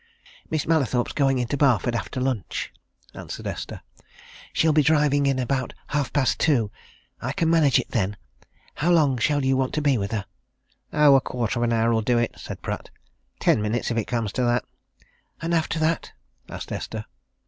"Miss Mallathorpe's going into Barford after lunch," answered Esther. "She'll be driving in about half past two. I can manage it then. How long shall you want to be with her?" "Oh, a quarter of an hour'll do," said Pratt. "Ten minutes, if it comes to that." "And after that?" asked Esther.